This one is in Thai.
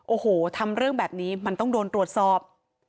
โอ้โหทำเรื่องแบบนี้มันต้องโดนตรวจสอบ